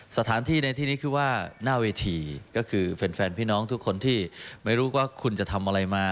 สถานที่ในที่นี้คือว่าหน้าเวทีก็คือแฟนพี่น้องทุกคนที่ไม่รู้ว่าคุณจะทำอะไรมา